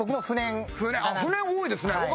不燃多いですね。